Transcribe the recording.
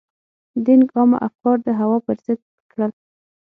دینګ عامه افکار د هوا پر ضد کړل.